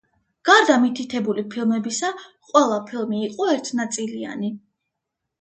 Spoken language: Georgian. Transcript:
გარდა მითითებული ფილმებისა, ყველა ფილმი იყო ერთნაწილიანი.